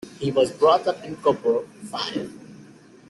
He was brought up in Cupar, Fife.